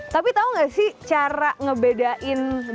tapi tahu nggak sih cara ngebedain baluran